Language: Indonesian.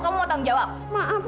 kamu mau tanggung jawab